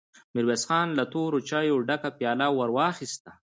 ميرويس خان له تورو چايو ډکه پياله ور واخيسته.